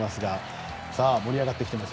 盛り上がってきています。